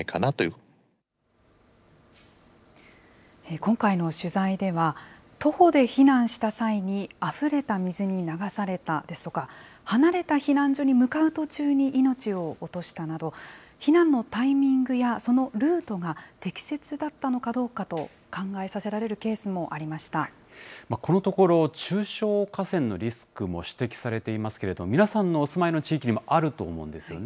今回の取材では、徒歩で避難した際にあふれた水に流されたですとか、離れた避難所に向かう途中に命を落としたなど、避難のタイミングや、そのルートが適切だったのかどうかと考えさせられるケースもありこのところ、中小河川のリスクも指摘されていますけれども、皆さんのお住まいの地域にもあると思うんですよね。